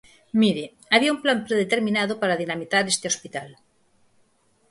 Mire, había un plan predeterminado para dinamitar este hospital.